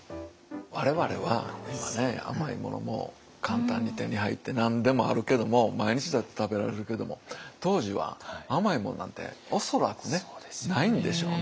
我々は今ね甘いものも簡単に手に入って何でもあるけども毎日だって食べられるけども当時は甘いものなんて恐らくねないんでしょうね。